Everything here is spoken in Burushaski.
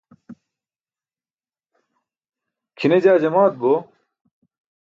kʰine jaa jamaat bo